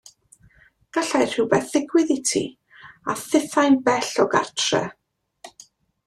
Gallai rhywbeth ddigwydd i ti, a thithau'n bell o gartre.